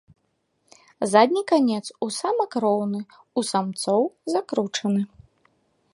Задні канец у самак роўны, у самцоў закручаны.